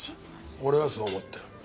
俺はそう思ってる。